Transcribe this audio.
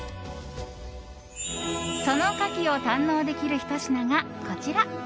そのカキを堪能できるひと品がこちら。